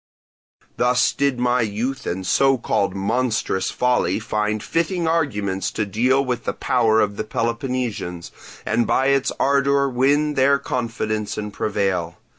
"Thus did my youth and so called monstrous folly find fitting arguments to deal with the power of the Peloponnesians, and by its ardour win their confidence and prevail.